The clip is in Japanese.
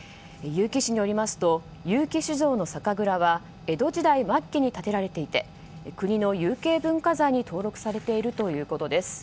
結城市によりますと結城酒造の酒蔵は江戸時代末期に建てられていて国の有形文化財に登録されているということです。